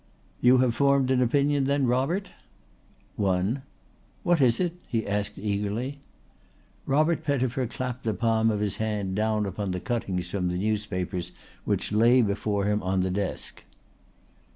"You have formed an opinion then, Robert?" "One." "What is it?" he asked eagerly. Robert Pettifer clapped the palm of his hand down upon the cuttings from the newspapers which lay before him on his desk.